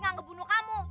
tidak akan bunuh kamu